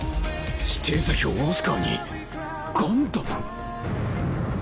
指定座標オスカーにガンダム？